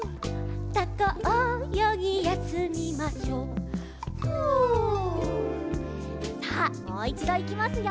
「タコおよぎやすみましょう」「フ」さあもういちどいきますよ。